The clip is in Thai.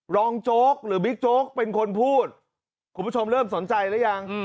โจ๊กหรือบิ๊กโจ๊กเป็นคนพูดคุณผู้ชมเริ่มสนใจหรือยัง